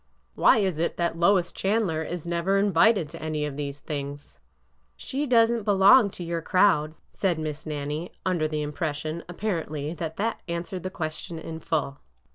'' Why is it that Lois Chandler is never invited to any of these things?" She does n't belong to your crowd," said Miss Nan nie, under the impression, apparently, that that answered the question in full.